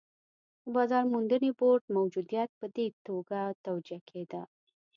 د بازار موندنې بورډ موجودیت په دې توګه توجیه کېده.